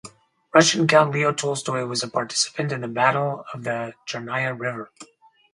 Russian Count Leo Tolstoy was a participant in the Battle of the Chernaya River.